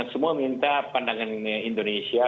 semua minta pandangan indonesia